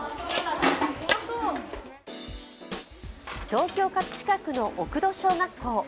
東京・葛飾区の奥戸小学校。